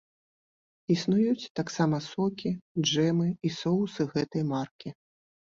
Існуюць таксама сокі, джэмы і соусы гэтай маркі.